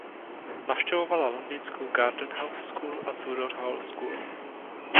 Navštěvovala londýnskou Garden House School a Tudor Hall School.